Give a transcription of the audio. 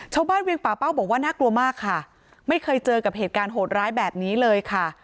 เวียงป่าเป้าบอกว่าน่ากลัวมากค่ะไม่เคยเจอกับเหตุการณ์โหดร้ายแบบนี้เลยค่ะ